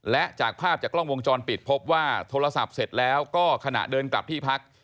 และจากภาพจากกล้องวงจรปิดพบว่าโทรศัพท์เสร็จแล้วก็ขณะเดินกลับที่พัก